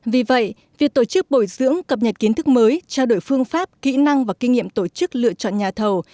vì vậy việc tổ chức bồi dưỡng cập nhật kiến thức mới trao đổi phương pháp kỹ năng và kinh nghiệm tổ chức lựa chọn nhà thầu